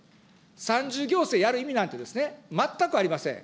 三重行政やる意味なんてですね、全くありません。